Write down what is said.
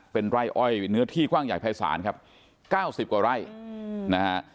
เป็นไร่อ้อยเนื้อที่กว้างใหญ่ภายศาลครับ๙๐กว่าไร่นะฮะ